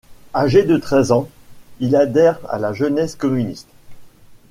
Âgé de treize ans, il adhère à la jeunesse communiste.